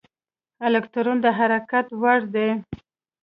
الکترون د حرکت وړ دی.